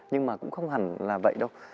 nhưng mà cũng không hẳn là vậy đâu